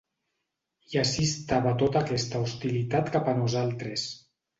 I ací estava tota aquesta hostilitat cap a nosaltres.